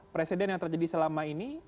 presiden yang terjadi selama ini